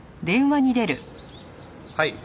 はい。